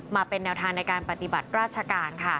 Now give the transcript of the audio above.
มาเป็นแนวทางในการปฏิบัติราชการค่ะ